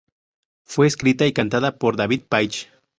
Fue escrita y cantada por David Paich.